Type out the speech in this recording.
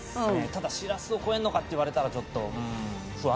ただしらすを超えるのかって言われたらちょっと不安ですね。